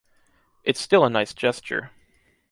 It's still a nice gesture.